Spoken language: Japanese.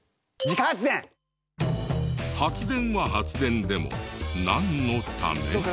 発電は発電でもなんのため？